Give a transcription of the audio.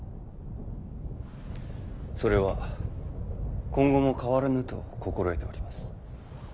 それは今後も変わらぬと心得ております。